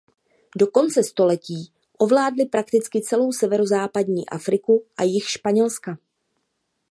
Do konce století ovládli prakticky celou severozápadní Afriku a jih Španělska.